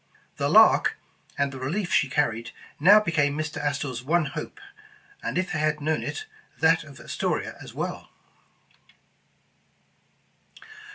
The Lark, and the relief she carried, now became Mr. Astor 's one hope, and if they had known it, that of Astoria as well.